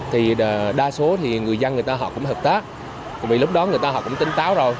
thì đa số người dân họ cũng hợp tác vì lúc đó họ cũng tinh táo rồi